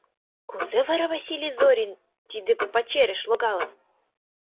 Кузе вара Василий Зорин тиде пачерыш логалын?